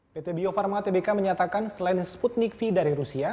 pt bio farma tbk menyatakan selain sputnik v dari rusia